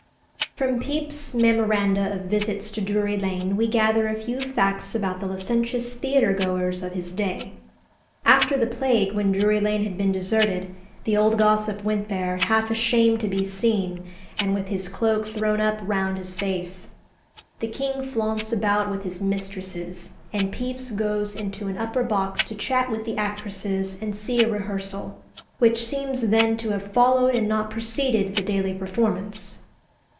From Pepys's memoranda of visits to Drury Lane we gather a few facts about the licentious theatre goers of his day. After the Plague, when Drury Lane had been deserted, the old gossip went there, half ashamed to be seen, and with his cloak thrown up round his face. The king flaunts about with his mistresses, and Pepys goes into an upper box to chat with the actresses and see a rehearsal, which seems then to have followed and not preceded the daily performance.